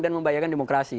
dan membahayakan demokrasi